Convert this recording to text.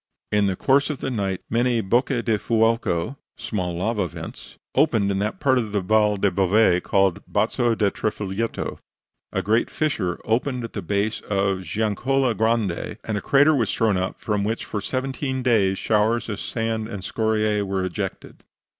In the course of the night many bocche del fuoco (small lava vents) opened in that part of the Val del Bove called the Bazo di Trifoglietto, a great fissure opened at the base of the Giannicola Grande, and a crater was thrown up from which for seventeen days showers of sand and scoriae were ejected.